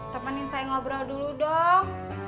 temenin saya ngobrol dulu dong